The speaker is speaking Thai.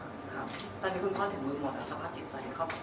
ตอนนี้คุณพ่อถึงมือหมดแล้วสภาพจิตใจในครอบครัว